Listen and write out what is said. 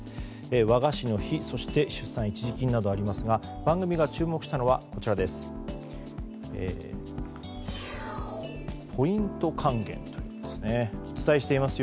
和菓子の日、そして出産一時金などありますが番組が注目したのはポイント還元です。